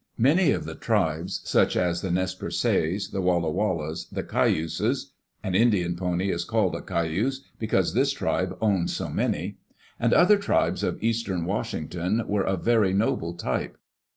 Many of the tribes, such as the Nez Perces, the Walla Wallas, the Cayuses — an Indian pony is called a "cayuse" because this tribe owned so many — and other tribes of eastern Washington, were of very noble type.